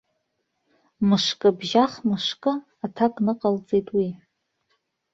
Мышкы бжьах мышкы, аҭак ныҟалҵеит уи.